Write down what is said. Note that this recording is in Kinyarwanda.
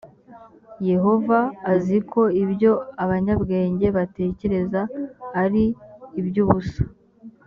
yehova azi ko ibyo abanyabwenge batekereza ari iby’ubusa